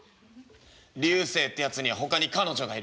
「流星ってやつにはほかに彼女がいる」。